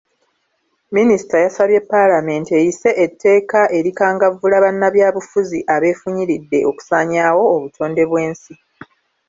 Minisita yasabye Paalamenti eyise etteeka erikangavvula bannabyabufuzi abeefunyiridde okusaanyaawo obutonde bw’ensi.